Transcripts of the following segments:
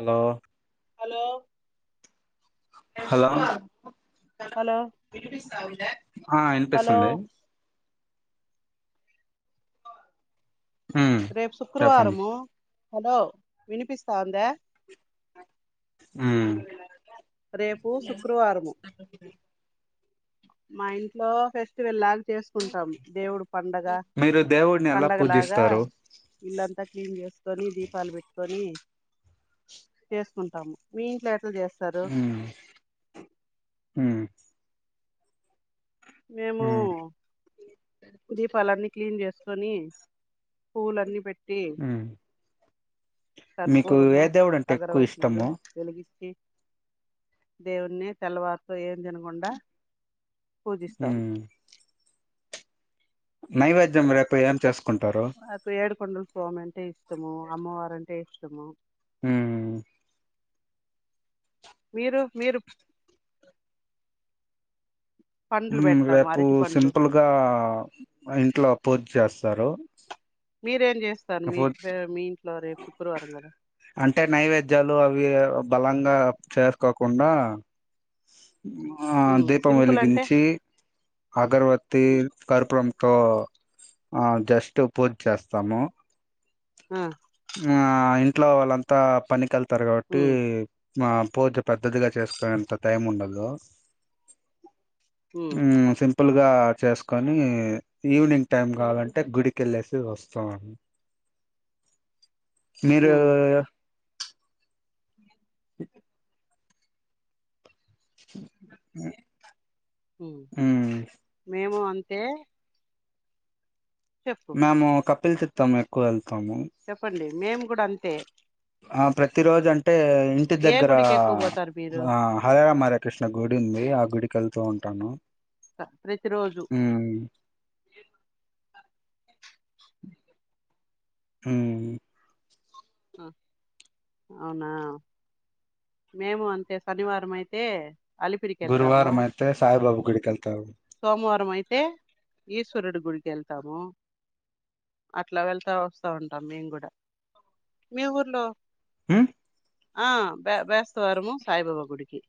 అలో hello hello hello ఆ hello ఇనిపిస్తుంది ఉమ్ రేపు చెప్పండి సుక్రవారము హలో వినిపిస్తాంద ఊమ్ రేపు సుక్రువారము మా ఇంట్లో ఫెస్టివల్ లాగా చేసుకుంటాం దేవుడు పండగ. మీరు దేవుడిని ఎలా పండగ లాగా పూజిస్తారు ఇల్లంతా క్లీన్ జేస్ కొని దీపాలు బెట్టుకొని చేసుకుంటాము మీ ఇంట్లట్ తు జేసారు. ఉమ్ ఉమ్ మేము ఉమ్ దీపాలన్ని క్లీన్ జేసుకొని పూలు అన్ని బెట్ట టి ఉమ్ మీకు కర్పూరము ఏ దేవుడు అంటే ఎక్కువ అగర్వతీలు ఇష్టము వెలిగించి. దేవుణ్ణి తెల్లవారుతో ఏం తినగుండా పూజిస్తారు. ఉమ్ నైవేద్యం రేపు ఎమ్ చేస్ నాకు ఏడుకొండలు స్వామి అంటే ఇష్టము, అమ్మవారంటే ఇష్టము. హుహు్ మీరు మీరు హు పండ్లు పెడతాము లేపు అరటి పండ్లు సింపుల్గా మా ఇంట్లా పూజ్ జేస్తారు. మీరేం జేస్తారు. మీ ఫ్రొ మీ ఇంట్లో రేపు శుక్రవారం కదా అంటే నైవేద్యాలు అవి బలంగా చేసుకోకుండా మా ఉమ్, దీపం సింపుల్ అంటే వెలిగించి అగర్వతిల్ కర్పూరంతో ఆ జస్ట్ పూజ్ జేస్తాము. ఆ నా ఇంట్లో వాళ్ళంతా పనికెళ్తారు గావట్టి ఉమ్, మా పూజ పెద్దదిగా చేసుకునేంత టైం ఉండదు. ఉమ్ సింప్ ప్పులుగా చేసుకొని ఈవినింగ్ టైం కావాలంటే గుడికెళ్ళేసి వస్తా వాన్ మీరు ఉమ్, యా పెటేక్ [inaudible] హు మ్మ్ మేము అంతే చెప్పు మాము కప్పిల్ తిత్తాము, ఎక్కువ ఏళ్తాము. చెప్పండి. మేము కూడా అంతే ఆ ప్రతి రోజు అంటే ఇంటి ఏ దగ్గర గుడికి ఎక్కువ పోతారు మీరు ఆ హరేరామ్ హరేకృష్ణ గుడి ఉంది. ఆ గుడిక్ కెళ్తా ఉంటాను. ప ప్రతిరోజు మ్మ్ హుహ్ ఆ అవునా మేము అంతే సనివారం అయితే అలిపిరికి ఏళ్తాము గురువారం అయితే సాయిబాబు గుడికెళ్తాము సోమవారం అయితే ఈశ్వరుడి గుడికి ఏళ్తాము. అట్లా వెళ్తా వస్తా ఉంటాం మేమ్ కూడా మీ ఊర్లో హు్ ఆ భే భేస్తవారము సాయిబాబా గుడికి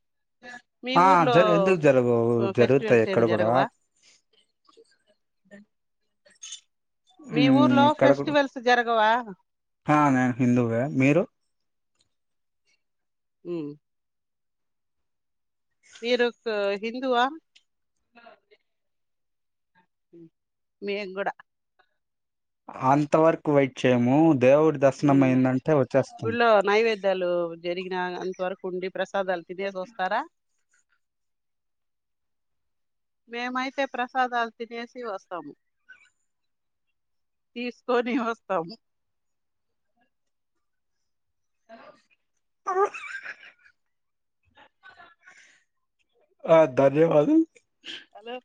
మీ ఆ ఊర్లో జరు ఎందుకు జరగవు జరుగుతాయి ఫెస్టివల్స్ ఏమి జరగవా సు [inaudible] మీ ఊర్లో హుహ్ ఇక్కడ గూడు ఫెస్టివల్స్ జరగవా హా నేను హిందువే మీరు ఉహ్ మీరు ఒక హిందువా హుహ్ మేగూడా అంత వరకు వెయిట్ చేయముద్. దేవుడి దర్శనం ఉమ్ అయిందంటే వచ్చేస్తాం గుళ్ళో నైవేద్యాలు జరిగిన అంత వరకు ఉండి ప్రసాదాలు తినేసి వస్తారా [inaudible] మేమైతే ప్రసాదాలు తినేసి వస్తాము తీసుకొని వస్తాం అ ఆ ధన్యవాధు హలో